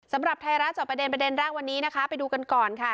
สำหรับไทยรัฐจอบประเด็นประเด็นแรกวันนี้นะคะไปดูกันก่อนค่ะ